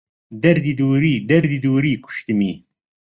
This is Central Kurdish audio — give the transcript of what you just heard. دەردی دووری... دەردی دووری کوشتمی